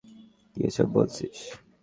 কি এসব বলছিস?